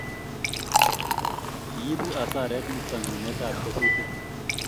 kiibu hasaret nito nunetab kesutik